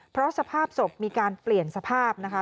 เพราะสภาพศพมีการเปลี่ยนสภาพนะคะ